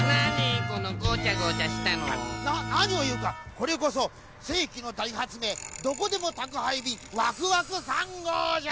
これこそせいきのだいはつめいどこでもたくはいびんワクワク３ごうじゃ！